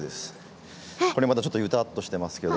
これまだちょっとグタッとしてますけど。